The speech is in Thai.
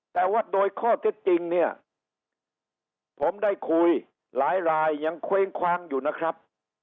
แต่ว่าโดยข้อเท็จจริงเนี่ยผมได้คุยหลายรายยังเคว้งคว้างอยู่นะครับ